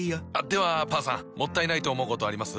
ではパンさんもったいないと思うことあります？